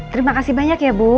terima kasih banyak ya bu